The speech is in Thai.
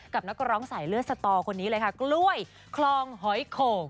นักร้องสายเลือดสตอคนนี้เลยค่ะกล้วยคลองหอยโขก